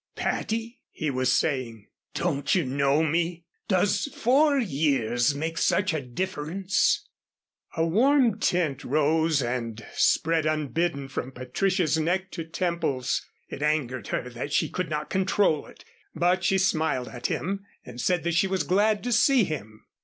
"Patty," he was saying, "don't you know me? Does four years make such a difference?" A warm tint rose and spread unbidden from Patricia's neck to temples. It angered her that she could not control it, but she smiled at him and said that she was glad to see him.